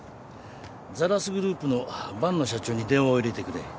ザラスグループの万野社長に電話を入れてくれ。